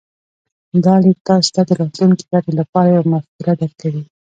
دا ليک تاسې ته د راتلونکې ګټې لپاره يوه مفکوره درکوي.